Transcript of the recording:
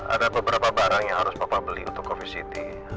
ada beberapa barang yang harus papa beli untuk covid sembilan belas